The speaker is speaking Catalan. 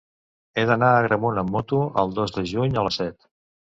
He d'anar a Agramunt amb moto el dos de juny a les set.